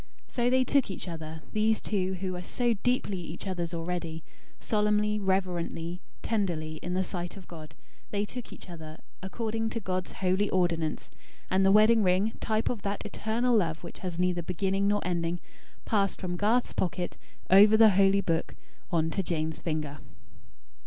So they took each other these two, who were so deeply each other's already solemnly, reverently, tenderly, in the sight of God, they took each other, according to God's holy ordinance; and the wedding ring, type of that eternal love which has neither beginning nor ending, passed from Garth's pocket, over the Holy Book, on to Jane's finger.